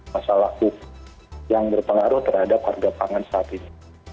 masalah hukum yang berpengaruh terhadap harga pangan saat ini